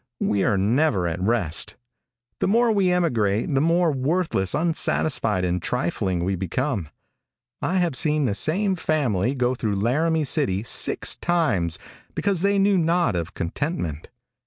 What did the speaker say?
We are never at rest. The more we emigrate the more worthless, unsatisfied and trifling we become. I have seen the same family go through Laramie City six times because they knew not of contentment.